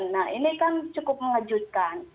nah ini kan cukup mengejutkan